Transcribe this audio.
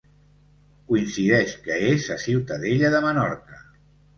Coincideix que és a Ciutadella de Menorca.